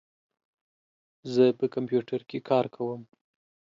زه په کمپیوټر کې کار کوم.